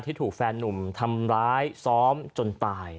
ที่ถูกแฟนนุ่มทำร้ายซ้อมจนตาย